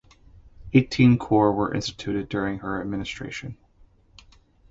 Eighteen corps were instituted during her administration.